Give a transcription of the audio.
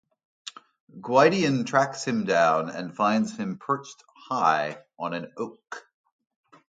Gwydion tracks him down and finds him perched high on an oak.